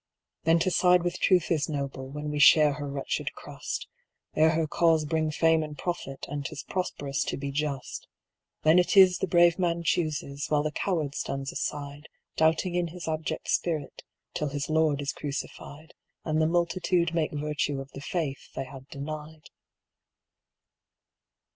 Then to side with Truth is noble when we share her wretched crust, Ere her cause bring fame and profit, and 'tis prosperous to be just; Then it is the brave man chooses, while the coward stands aside, Doubting in his abject spirit, till his Lord is crucified, And the multitude make virtue of the faith they had denied.